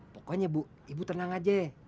pokoknya bu ibu tenang aja